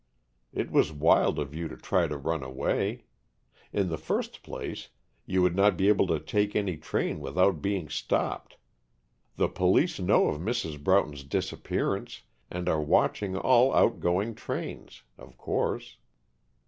It was wild of you to try to run away. In the first place, you would not be able to take any train without being stopped. The police know of Mrs. Broughton's disappearance and are watching all outgoing trains, of course.